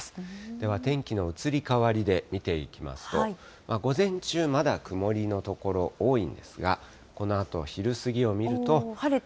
では天気の移り変わりで見ていきますと、午前中、まだ曇りの所、多いんですが、このあと昼過ぎを見ると。